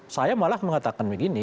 saya malah mengatakan begini